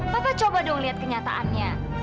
bapak coba dong lihat kenyataannya